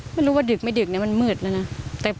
ไม่รู้ว่าดึกไม่ดึกมันหมื่นแล้วนะ